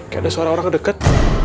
kayak ada suara orang dekat